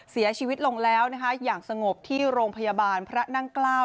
เสียชีวิตลงแล้วนะคะอย่างสงบที่โรงพยาบาลพระนั่งเกล้า